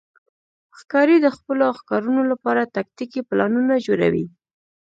ښکاري د خپلو ښکارونو لپاره تاکتیکي پلانونه جوړوي.